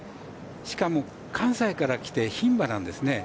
しかも、関西から来て牝馬なんですね。